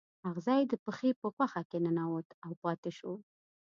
اغزی د پښې په غوښه کې ننوت او پاتې شو.